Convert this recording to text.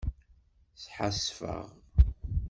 Sḥasfeɣ.